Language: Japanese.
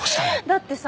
だってさ